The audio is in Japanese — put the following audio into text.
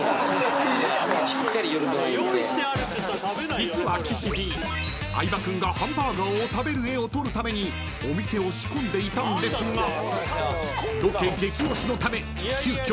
［実は岸Ｄ相葉君がハンバーガーを食べる絵を撮るためにお店を仕込んでいたんですがロケ激押しのため］